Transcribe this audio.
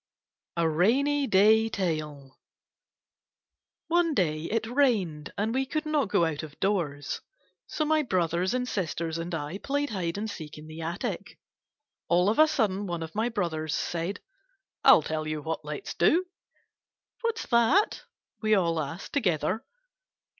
42 KITTENS A^B OATS A RAINY DAY TALE One day it rained and we could not go out of doors. So my brothers and sisters and I played Hide and Seek in the attic. All of a sudden one of my brothers said, * I '11 tell you what let 's do !'* What's that?' we all asked together.